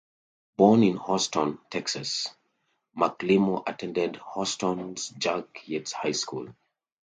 Born in Houston, Texas, McLemore attended Houston's Jack Yates High School.